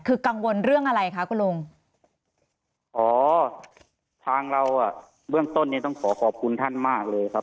คือกังวลเรื่องอะไรคะคุณลุงอ๋อทางเราอ่ะเบื้องต้นเนี้ยต้องขอขอบคุณท่านมากเลยครับ